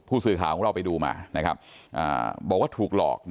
ผู้สื่อข่าวของเราไปดูมาบอกว่าถูกหลอก